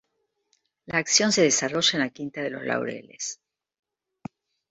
La acción se desarrolla en la quinta de Los Laureles.